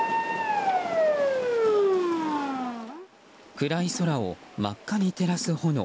暗い空を真っ赤に照らす炎。